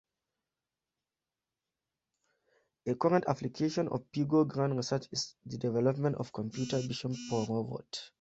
A current application of figure-ground research is the development of computer vision for robots.